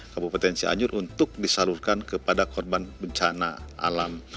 kabupaten cianjur untuk disalurkan kepada korban bencana alam